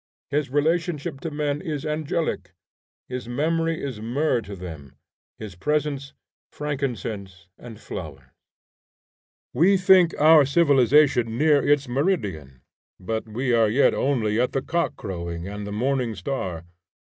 His relation to men is angelic; his memory is myrrh to them; his presence, frankincense and flowers. We think our civilization near its meridian, but we are yet only at the cock crowing and the morning star.